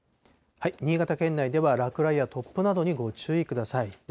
新潟県内では落雷や突風などにご注意ください。